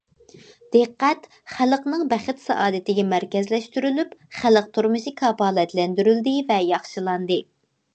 دىققەت خەلقنىڭ بەخت- سائادىتىگە مەركەزلەشتۈرۈلۈپ، خەلق تۇرمۇشى كاپالەتلەندۈرۈلدى ۋە ياخشىلاندى.